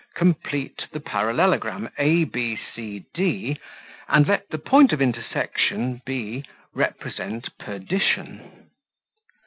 Complete the parallelogram, a b c d, and let the point of intersection, b, represent perdition.